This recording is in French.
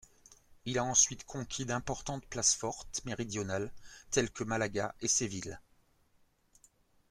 Il a ensuite conquis d'importantes places fortes méridionales, telles que Malaga et Séville.